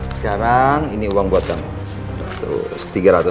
sekarang ini uang buat kamu